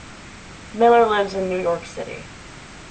Miller lives in New York City.